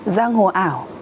giang hồ ảo